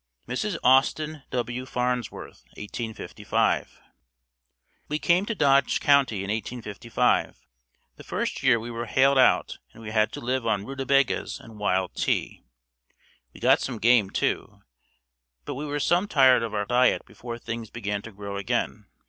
Mrs. Austin W. Farnsworth 1855. We came to Dodge County in 1855. The first year we were hailed out and we had to live on rutabagas and wild tea. We got some game too, but we were some tired of our diet before things began to grow again.